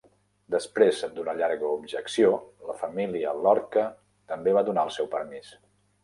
Després d'una llarga objecció, la família Lorca també va donar el seu permís.